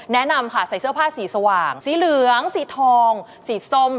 แนะนำค่ะใส่เสื้อผ้าสีสว่างสีเหลืองสีทองสีส้ม